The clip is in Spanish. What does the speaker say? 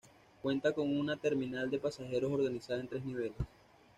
Cuenta con una terminal de pasajeros organizada en tres niveles.